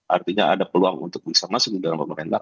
artinya ada peluang untuk bisa masuk di dalam pemerintah